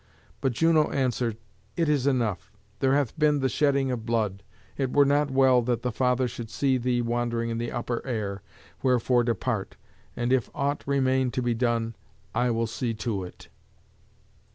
But Juno answered, "It is enough; there hath been the shedding of blood. It were not well that the Father should see thee wandering in the upper air, wherefore depart, and if aught remain to be done, I will see to it."